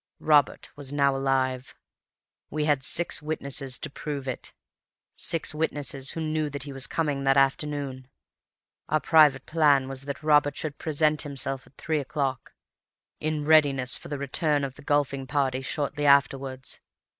Robert was now alive—we had six witnesses to prove it; six witnesses who knew that he was coming that afternoon. Our private plan was that Robert should present himself at three o'clock, in readiness for the return of the golfing party shortly afterwards.